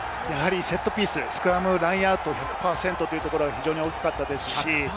セットピース、スクラム、ラインアウト、１００％が非常に大きかったです。